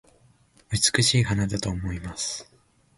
美しい花だと思います